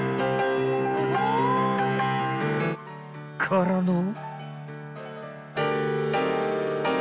［からの］